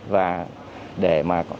và để mà